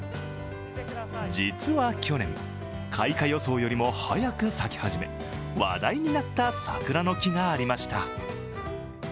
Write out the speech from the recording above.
実は去年、開花予想よりも早く咲き始め、話題になった桜の木がありました。